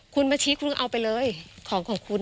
คุณมาชี้คุณเอาไปเลยของของคุณ